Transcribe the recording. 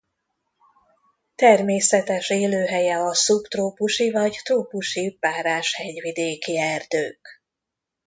Természetes élőhelye a szubtrópusi vagy trópusi párás hegyvidéki erdők.